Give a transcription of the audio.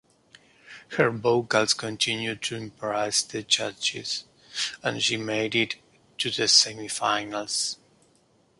Her vocals continued to impress the judges, and she made it to the semi-finals.